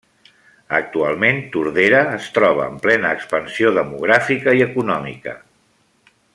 Actualment Tordera es troba en plena expansió demogràfica i econòmica.